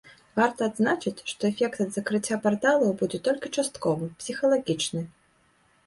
Варта адзначыць, што эфект ад закрыцця парталаў будзе толькі частковы, псіхалагічны.